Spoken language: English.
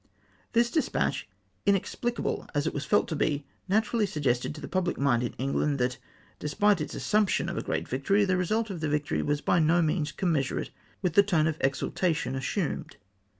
This despatch, inexpHcable as it was felt to be, natu rally suggested to the pubhc mind in England, that, despite its assumption of a great victory, the result of the victory was by no means commensurate with the tone of exultation assumed.